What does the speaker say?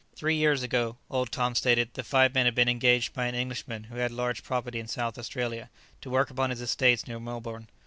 Three years ago, old Tom stated, the five men had been engaged by an Englishman who had large property in South Australia, to work upon his estates near Melbourne.